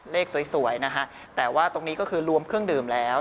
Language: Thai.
เลขสวยนะฮะแต่ว่าตรงนี้ก็คือรวมเครื่องดื่มแล้ว